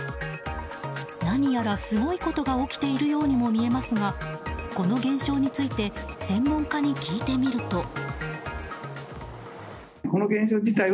何やらすごいことが起きているようにも見えますがこの現象について専門家に聞いてみると。